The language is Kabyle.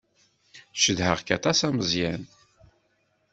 Cedheɣ-k aṭas a Meẓyan.